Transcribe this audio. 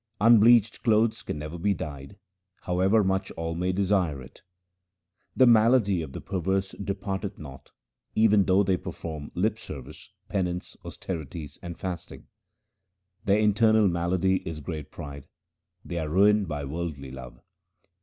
Unbleached clothes can never be dyed, however much all may desire it. The malady of the perverse depart eth not, even though they perform lip worship, penance, austerities, and fasting. Their internal malady is great pride ; they are ruined by worldly love.